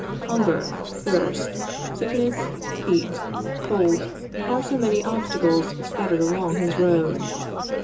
Hunger, thirst, sickness, heat, cold, are so many obstacles scattered along his road.